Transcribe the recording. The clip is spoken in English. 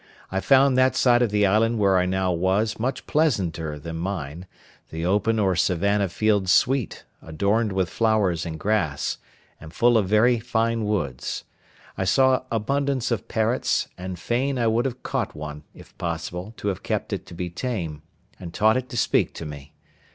I found that side of the island where I now was much pleasanter than mine—the open or savannah fields sweet, adorned with flowers and grass, and full of very fine woods. I saw abundance of parrots, and fain I would have caught one, if possible, to have kept it to be tame, and taught it to speak to me.